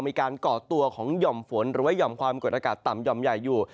ก่อตัวของหย่อมฝนหรือว่าห่อมความกดอากาศต่ำหย่อมใหญ่อยู่